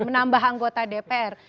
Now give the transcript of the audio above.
menambah anggota dpr